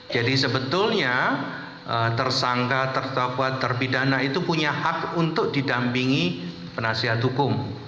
jadi sebetulnya tersangka tertakwa terbidana itu punya hak untuk didampingi penasihat hukum